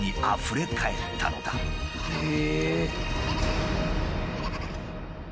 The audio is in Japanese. へえ。